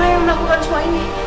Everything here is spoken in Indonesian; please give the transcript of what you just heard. roy yang sudah melakukan semua ini